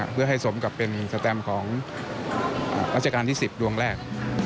เพื่อให้สมกับเป็นสแตมของรัชกาลที่๑๐ดวงแรก